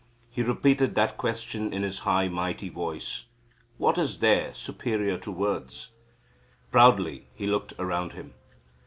He repeated that question in his mighty voice: "What is there superior to words?" Proudly he looked around him.